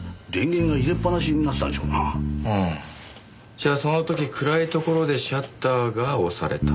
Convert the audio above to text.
じゃあその時暗いところでシャッターが押された。